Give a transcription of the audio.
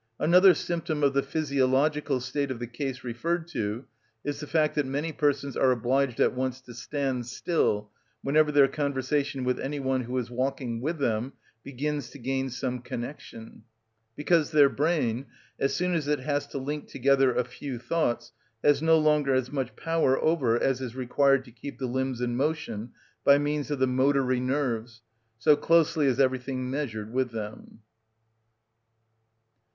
Another symptom of the physiological state of the case referred to is the fact that many persons are obliged at once to stand still whenever their conversation with any one who is walking with them begins to gain some connection; because their brain, as soon as it has to link together a few thoughts, has no longer as much power over as is required to keep the limbs in motion by means of the motory nerves, so closely is everything measured with them.